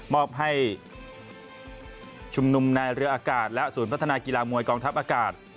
มอบให้ชุมนุมในเรืออากาศและศูนย์พัฒนากีฬามวยกองทัพอากาศ